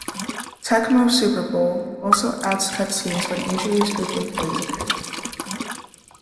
"Tecmo Super Bowl" also adds cut scenes when injuries or big plays occurred.